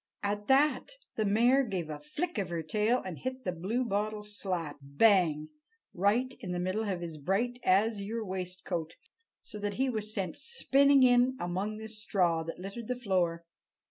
At that the mare gave a flick of her tail and hit the Bluebottle slap! bang! right in the middle of his bright azure waistcoat, so that he was sent spinning in among the straw that littered the floor.